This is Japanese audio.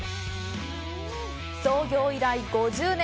創業以来５０年